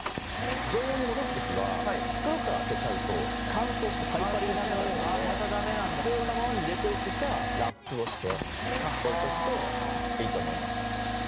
常温に戻す時は袋からあけちゃうと乾燥してパリパリになっちゃうので袋のままに入れておくかラップをして置いとくといいと思います。